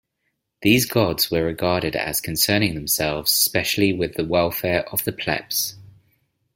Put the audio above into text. These gods were regarded as concerning themselves specially with the welfare of the "plebs".